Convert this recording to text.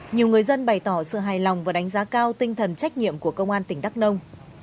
nhiều người dân bày tỏ sự hài lòng và đánh giá cao tinh thần trách nhiệm của công an tỉnh đắk nông